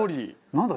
なんだ？